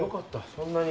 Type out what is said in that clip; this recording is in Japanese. そんなに。